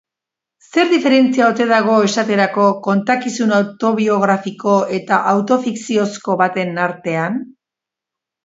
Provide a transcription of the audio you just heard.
Zer diferentzia ote dago, esaterako, kontakizun autobiografiko eta autofikziozko baten artean?